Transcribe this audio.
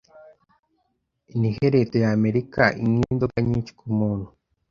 Nihe leta ya Amerika inywa inzoga nyinshi kumuntu